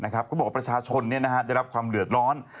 ก็บอกว่าประชาชนจะรับความเหลือดร้อน